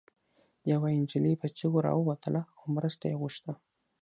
يوه انجلۍ په چيغو راووتله او مرسته يې غوښته